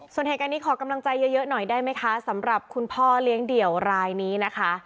ส่วนเหตุการณ์นี้ขอกำลังใจเยอะหน่อยได้ไหมคะสำหรับคุณพ่อเลี้ยงเดี่ยวรายนี้นะคะ